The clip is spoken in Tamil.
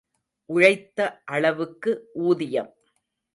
உழைத்த அளவுக்கு ஊதியம்.